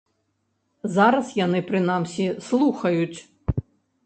Зараз яны, прынамсі, слухаюць.